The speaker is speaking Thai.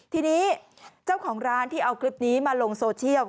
ทีนี้เจ้าของร้านที่เอาคลิปนี้มาลงโซเชียล